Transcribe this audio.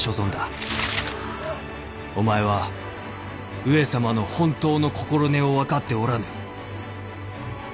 お前は上様の本当の心根を分かっておらぬ。